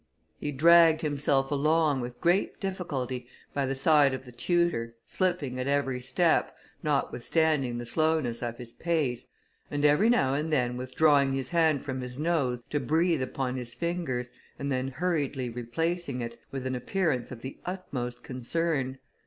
He dragged himself along, with great difficulty, by the side of the tutor, slipping at every step, notwithstanding the slowness of his pace, and every now and then withdrawing his hand from his nose to breathe upon his fingers, and then hurriedly replacing it, with an appearance of the utmost concern.